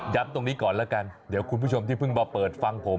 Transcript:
ตรงนี้ก่อนแล้วกันเดี๋ยวคุณผู้ชมที่เพิ่งมาเปิดฟังผม